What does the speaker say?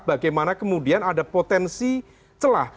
bagaimana kemudian ada potensi celah